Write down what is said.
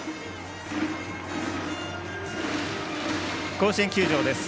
甲子園球場です。